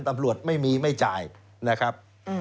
ตำรวจไม่มีไม่จ่ายนะครับ